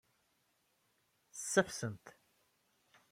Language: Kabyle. Ssafessen-t.